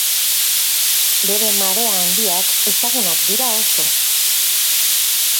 Bere marea handiak ezagunak dira oso.